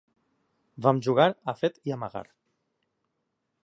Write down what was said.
Vam jugar a fet i amagar.